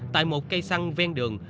tại một cây săn ven đường